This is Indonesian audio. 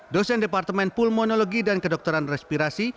dosen departemen pulmonologi dan kedokteran respirasi